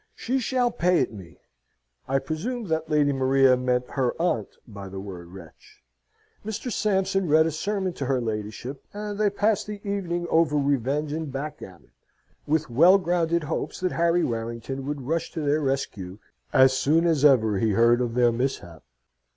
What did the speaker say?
She shall pay it me!" I presume that Lady Maria meant her aunt by the word "wretch." Mr. Sampson read a sermon to her ladyship, and they passed the evening over revenge and backgammon; with well grounded hopes that Harry Warrington would rush to their rescue as soon as ever he heard of their mishap.